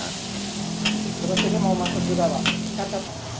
terus ini mau masuk juga pak